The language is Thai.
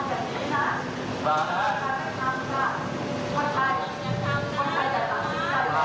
หลอกขามฟาะโมงถึงแก่ผม